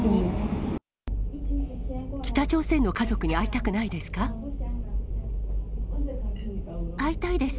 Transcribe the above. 北朝鮮の家族に会いたくない会いたいです。